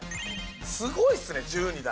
すごいっすね１２台。